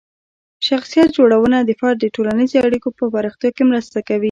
شخصیت جوړونه د فرد د ټولنیزې اړیکو په پراختیا کې مرسته کوي.